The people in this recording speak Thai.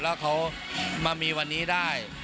แล้วเขามามีวันนี้ได้